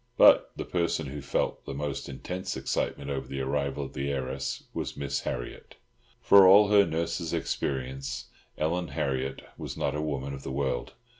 But the person who felt the most intense excitement over the arrival of the heiress was Miss Harriott. For all her nurse's experience, Ellen Harriott was not a woman of the world.